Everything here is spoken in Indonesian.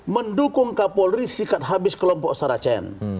mendukung kapolri sikat habis kelompok saracen